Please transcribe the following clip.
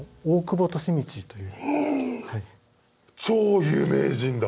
超有名人だ。